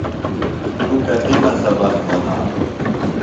توۡ کتِمہ سبق منانوۡ؟